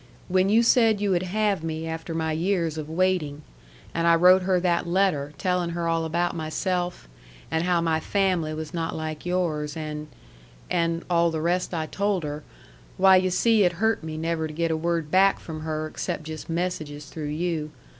When you said you would have me after my years of waiting, and I wrote her that letter telling her all about myself, and how my family was not like yours, and and all the rest I told her, why you see it hurt me never to get a word back from her except just messages through you.